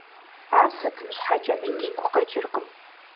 Ар сытым щхьэкӀэми дигу къэкӀыркъым.